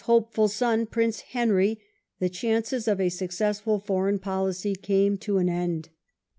hopeful son, Prince Henry, the chances of a successful foreign policy came to an end.